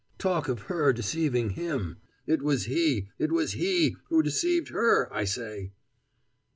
Talk of her deceiving him! It was he it was he who deceived her, I say!"